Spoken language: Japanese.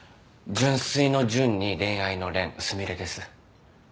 純粋の「純」に恋愛の「恋」純恋です。